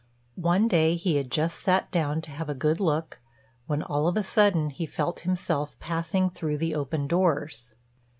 One day he had just sat down to have a good look, when, all of a sudden, he felt himself passing through the open doors.